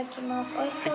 おいしそう。